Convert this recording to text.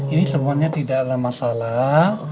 ini semuanya tidak ada masalah